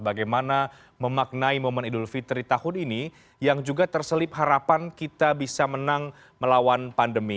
bagaimana memaknai momen idul fitri tahun ini yang juga terselip harapan kita bisa menang melawan pandemi